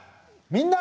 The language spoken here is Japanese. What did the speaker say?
「みんな！